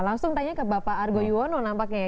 langsung tanya ke bapak argo yuwono nampaknya ya